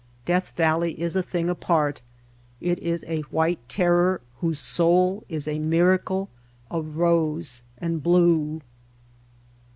Death Valley is a thing apart. It is a white terror whose soul is a miracle of rose and blue.